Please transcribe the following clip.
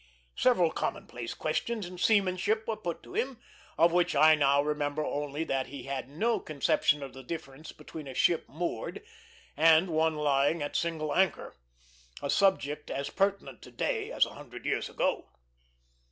Several commonplace questions in seamanship were put to him, of which I now remember only that he had no conception of the difference between a ship moored, and one lying at single anchor a subject as pertinent to day as a hundred years ago.